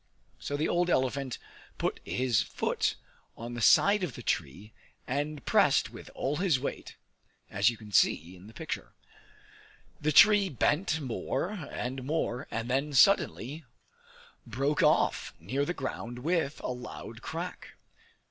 So the old elephant put his foot on the side of the tree, and pressed with all his weight as you see in the picture. The tree bent more and more, and then suddenly broke off near the ground with a loud crack.